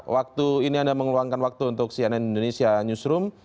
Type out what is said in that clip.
waktu ini anda mengeluangkan waktu untuk cnn indonesia newsroom